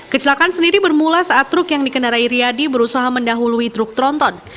kecelakaan sendiri bermula saat truk yang dikendarai riyadi berusaha mendahului truk tronton